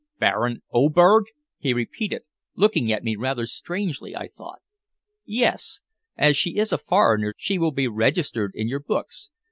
"Baron Oberg!" he repeated, looking at me rather strangely, I thought. "Yes, as she is a foreigner she will be registered in your books.